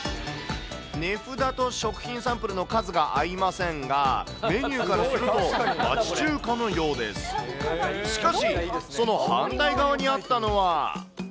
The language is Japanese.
値札と食品サンプルの数が合いませんが、メニューからすると、町中華のようです。しかし、その反対側にあったのは。